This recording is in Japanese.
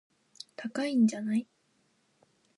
高いんじゃない